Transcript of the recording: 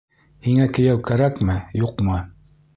Һиңә кейәү кәрәкме, юҡмы?